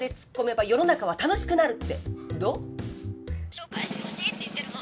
紹介してほしいって言ってるの。